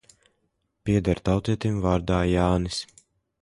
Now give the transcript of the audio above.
Pieder tautietim vārdā Jānis.